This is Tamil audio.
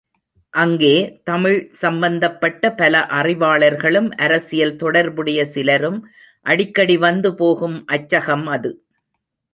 அங்கே, தமிழ் சம்பந்தப்பட்ட பல அறிவாளர்களும், அரசியல் தொடர்புடைய சிலரும் அடிக்கடி வந்து போகும் அச்சகம் அது.